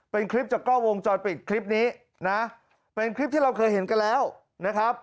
เป็นคลิปจากกล้องวงจรปิดคลิปนี้นะเป็นคลิปที่เราเคยเห็นกันแล้วนะครับ